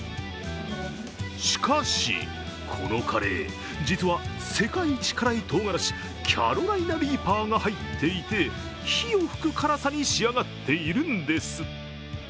しかし、このカレー実は、世界一辛いとうがらしキャロライナ・リーパーが入っていて火を噴く辛さに仕上がっているんです。